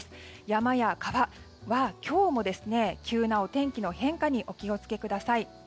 山や川は今日も急なお天気の変化にお気を付けください。